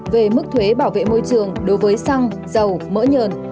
về mức thuế bảo vệ môi trường đối với xăng dầu mỡ nhờn